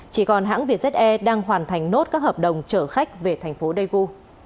chỉ còn hãng vietjet air đang hoàn thành nốt các hợp đồng chở khách về thành phố daegu